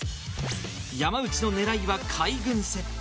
山内の狙いは海軍セット。